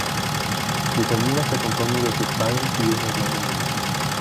Su familia se compone de sus padres y un hermano menor.